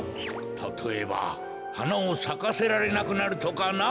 たとえばはなをさかせられなくなるとかな。